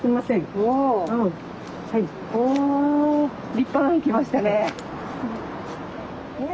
立派なの来ましたね。